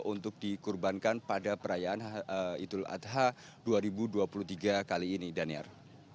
untuk dikurbankan pada perayaan idul adha dua ribu dua puluh tiga kali ini daniar